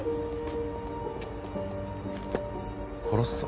殺すぞ。